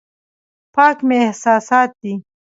پاک مې احساسات دي.